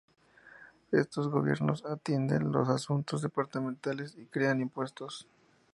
Estos gobiernos atienden los asuntos departamentales y crean impuestos.